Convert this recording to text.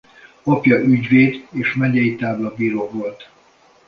Apja ügyvéd és megyei táblabíró volt.